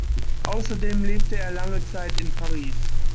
Außerdem lebte er lange Zeit in Paris.